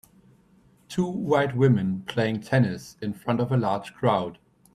Two white women playing tennis in front of a large crowd.